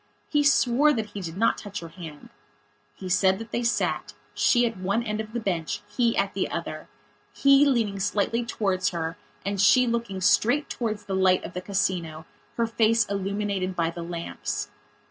He swore that he did not touch her hand. He said that they sat, she at one end of the bench, he at the other; he leaning slightly towards her and she looking straight towards the light of the Casino, her face illuminated by the lamps.